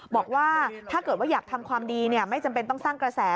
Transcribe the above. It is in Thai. บอกว่าถ้าเกิดว่าอยากทำความดีไม่จำเป็นต้องสร้างกระแส